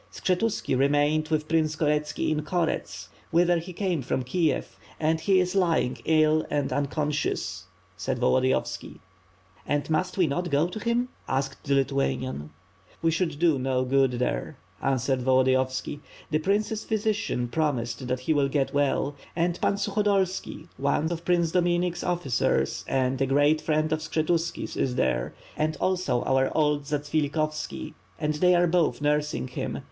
"Skshetuski remained with Prince Koretski in Korets whither he came from Kiev and he is lying ill and uncon scious," said Volodiyovski. "And must we not go to him?" asked the Lithuanian. "We should do no good there," answered Volodiyovski. "The prince's physician promises that he will get well; and Pan Sukhodolski, one of Prince Dominik's officers, and a great friend of Skshetuski's is there, and also our old Zats vilikhovski; and they are both nursing him.